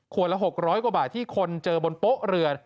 ละ๖๐๐กว่าบาทที่คนเจอบนโป๊ะเรือ